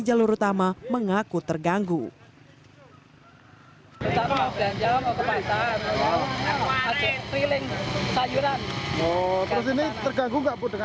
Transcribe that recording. jalan utama tersebut terlaku terganggu